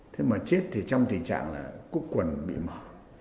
thế mà chết thì trong tình trạng là quốc quần bị mở